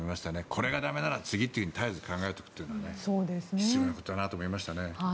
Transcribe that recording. これが駄目なら次と絶えず考えておくのは必要なことだなと思いましたね。